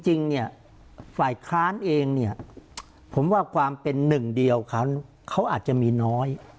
จริงเนี่ยฝ่ายค้านเองเนี่ยผมว่าความเป็นหนึ่งเดียวเขาอาจจะมีน้อย